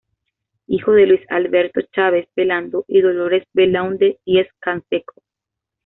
Hijo de Luis Alberto Chaves Velando y Dolores Belaunde Diez-Canseco.